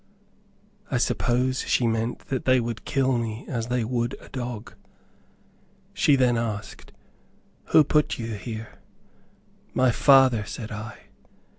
I suppose she meant that they would kill me as they would a dog. She then asked, "Who put you here?" "My Father," said I.